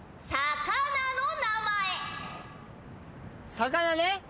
魚ね。